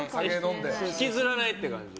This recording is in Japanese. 引きずらないという感じ？